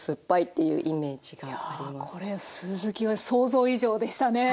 いやこれ酢好きは想像以上でしたね。